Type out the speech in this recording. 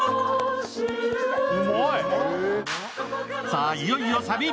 さあ、いよいよサビ。